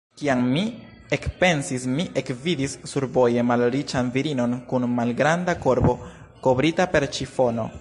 Kiam mi ekpensis, mi ekvidis survoje malriĉan virinon kun malgranda korbo, kovrita per ĉifono.